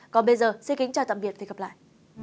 còn bây giờ xin kính chào tạm biệt và hẹn gặp lại